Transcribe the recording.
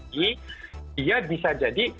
dia bisa jadi